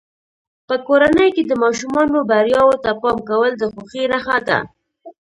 په کورنۍ کې د ماشومانو بریاوو ته پام کول د خوښۍ نښه ده.